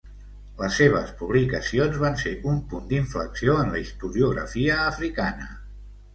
Les seves publicacions van ser un punt d'inflexió en la historiografia africana.